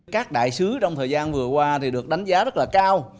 các đại sứ trong thời gian vừa qua thì được đánh giá rất là cao